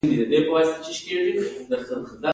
ایا زما رحم به ښه شي؟